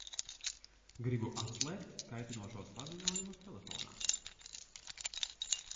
Gribu atslēgt kaitinošos paziņojumus telefonā.